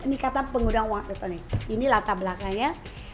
ini kata pengguna uang elektronik ini latar belakangnya